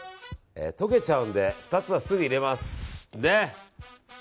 溶けちゃうんで２つはすぐ入れます。